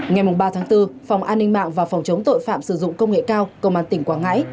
ngày ba tháng bốn phòng an ninh mạng và phòng chống tội phạm sử dụng công nghệ cao công an tỉnh quảng ngãi